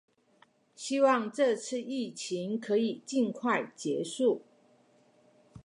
希望這次疫情可以盡快結束